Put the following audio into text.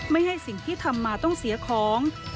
ไม่ให้สิ่งที่ทำมาต้องเสียของ